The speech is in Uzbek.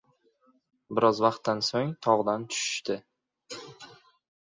Biroz vaqtdan soʻng togʻdan tushishdi.